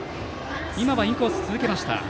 インコースを続けました。